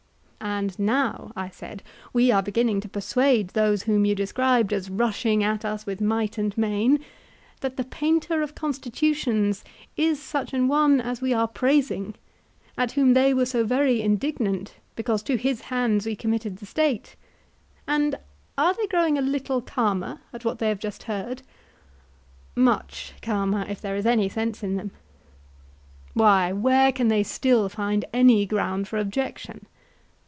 And now, I said, are we beginning to persuade those whom you described as rushing at us with might and main, that the painter of constitutions is such an one as we are praising; at whom they were so very indignant because to his hands we committed the State; and are they growing a little calmer at what they have just heard? Much calmer, if there is any sense in them. Why, where can they still find any ground for objection?